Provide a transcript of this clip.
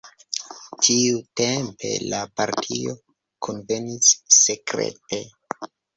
Tiutempe la partio kunvenis sekrete.